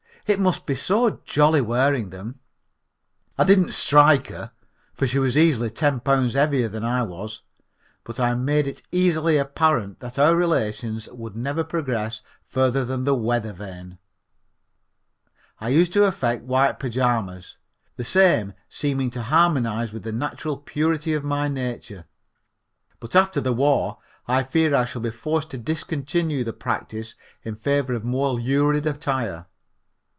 "It must be so jolly wearing them." I didn't strike her, for she was easily ten pounds heavier than I was, but I made it easily apparent that our relations would never progress further than the weather vane. I used to affect white pajamas, the same seeming to harmonize with the natural purity of my nature, but after the war I fear I shall be forced to discontinue the practise in favor of more lurid attire.